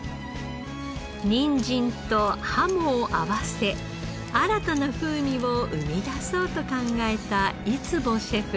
ニンジンとハモを合わせ新たな風味を生み出そうと考えた井壷シェフ。